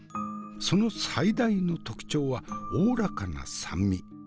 その最大の特徴はおおらかな酸味。